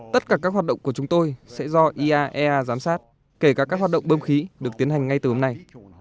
tất cả các hoạt động của chúng tôi sẽ do iaea giám sát kể cả các hoạt động bơm khí được tiến hành ngay từ hôm nay